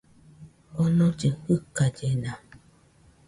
Onollɨ jɨkallena